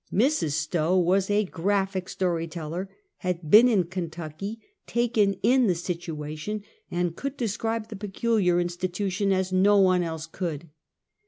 Mrs. Stowe was a graj)li ic story teller, had been in Kentucky, taken in the situation and could describe the peculiar institution as no one else could.